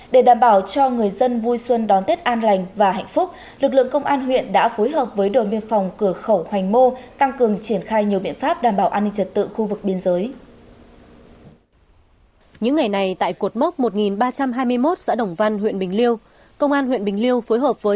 để đảm bảo cho người dân vui xuân đón tết an lành và hạnh phúc lực lượng công an huyện đã phối hợp với đồn biên phòng cửa khẩu hoành mô tăng cường triển khai nhiều biện pháp đảm bảo an ninh trật tự khu vực biên giới